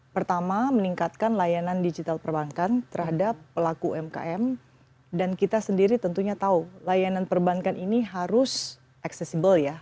pertama meningkatkan layanan digital perbankan terhadap pelaku umkm dan kita sendiri tentunya tahu layanan perbankan ini harus accessible ya